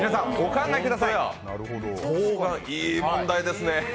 いい問題ですね。